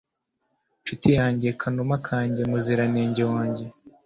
ncuti yanjye, kanuma kanjye, muziranenge wanjye